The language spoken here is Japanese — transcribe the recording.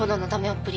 っぷり。